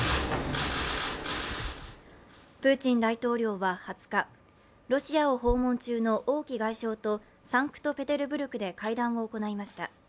プーチン大統領は２０日、ロシアを訪問中の王毅外相とサンクトペテルブルクで会談を行いました。